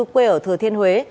quê ở thừa thiên huế